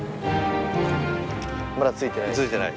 まだ着いてない。